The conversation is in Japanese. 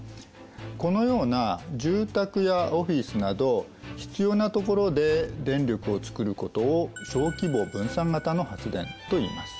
このような住宅やオフィスなど必要なところで電力を作ることを「小規模分散型」の発電といいます。